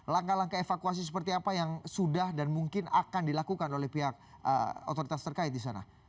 langkah langkah evakuasi seperti apa yang sudah dan mungkin akan dilakukan oleh pihak otoritas terkait di sana